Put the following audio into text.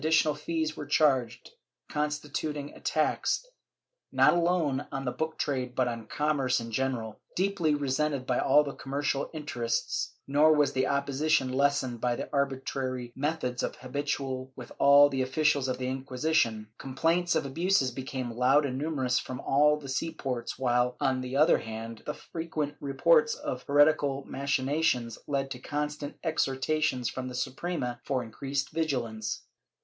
IV] VISITAS DE NAVIOS 611 tional fees were charged, constituting a tax, not alone on the book trade but on commerce in general, deeply resented by all the com mercial interests, nor was the opposition lessened by the arbitrary methods habitual with all the officials of the Inquisition. Com plaints of abuses became loud and numerous from all the sea ports while, on the other hand, the frequent reports of heretical machinations led to constant exhortations from the Suprema for increased vigilance.